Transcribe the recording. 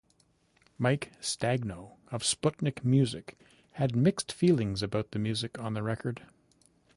Mike Stagno of Sputnikmusic had mixed feelings about the music on the record.